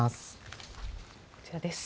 こちらです。